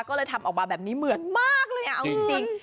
ก็เลยทำออกมาแบบนี้เหมือนมากเลยเอาจริง